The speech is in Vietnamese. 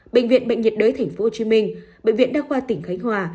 bệnh viện bệnh nhiệt đới tp hcm bệnh viện đang qua tỉnh khánh hòa